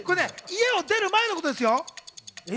家を出る前のことですよ。